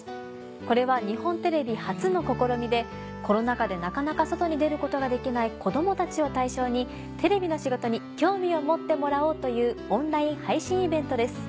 これは日本テレビ初の試みでコロナ禍でなかなか外に出ることができない子どもたちを対象にテレビの仕事に興味を持ってもらおうというオンライン配信イベントです。